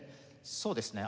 そうですね。